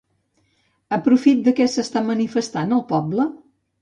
A profit de què s'està manifestant, el poble?